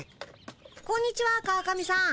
こんにちは川上さん。